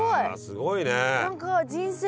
すごいね。